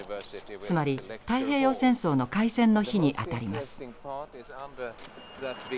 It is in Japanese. つまり太平洋戦争の開戦の日に当たります。